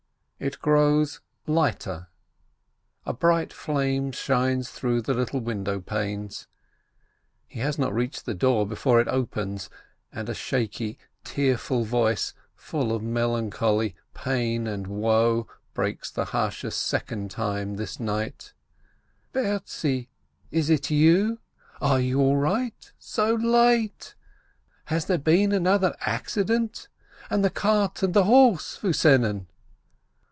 It grows lighter — a bright flame shines through the little window panes. He has not reached the door before it opens, and a shaky, tearful voice, full of melancholy, pain, and woe, breaks the hush a second time this night: "Bertzi, is it you ? Are you all right ? So late ? Has there been another accident? And the cart and the horse, wu senen?"